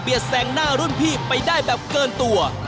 แสงหน้ารุ่นพี่ไปได้แบบเกินตัว